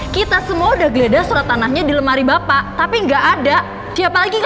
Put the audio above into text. kita semua udah geledah surat danahnya di lemari bapak